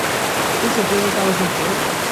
Tem certeza de que algo aconteceu?